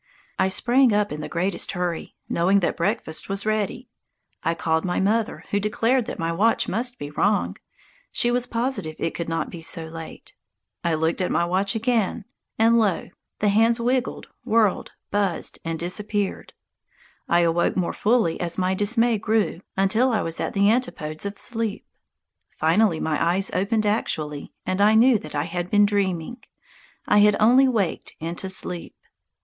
I sprang up in the greatest hurry, knowing that breakfast was ready. I called my mother, who declared that my watch must be wrong. She was positive it could not be so late. I looked at my watch again, and lo! the hands wiggled, whirled, buzzed and disappeared. I awoke more fully as my dismay grew, until I was at the antipodes of sleep. Finally my eyes opened actually, and I knew that I had been dreaming. I had only waked into sleep.